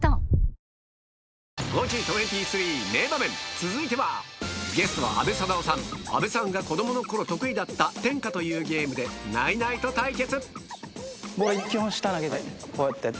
続いてはゲストの阿部サダヲさん阿部さんが子供の頃得意だった「てんか」というゲームでナイナイと対決